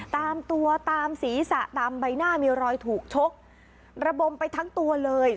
ตามตัวตามศีรษะตามใบหน้ามีรอยถูกชกระบมไปทั้งตัวเลย